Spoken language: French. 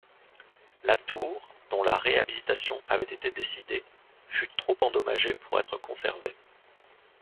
La tour, dont la réhabilitation avait été décidée, fut trop endommagée pour être conservée.